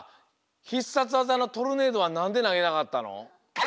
ひっさつわざのトルネードはなんでなげなかったの？